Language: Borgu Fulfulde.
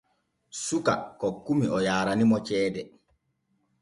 Suka kokkumi o yaaranimo ceede.